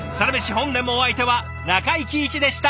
本年もお相手は中井貴一でした。